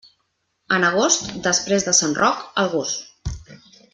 En agost, després de sant Roc, el gos.